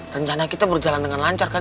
rencana kita berjalan dengan lancar kan